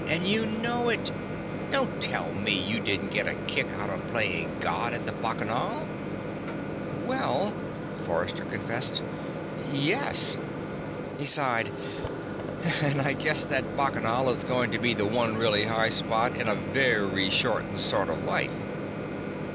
"And you know it. Don't tell me you didn't get a kick out of playing God at the Bacchanal." "Well," Forrester confessed, "yes." He sighed. "And I guess that Bacchanal is going to be the one really high spot in a very shortened sort of life."